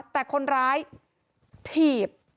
แต่คนร้ายถีบ